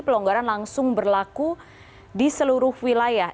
pelonggaran langsung berlaku di seluruh wilayah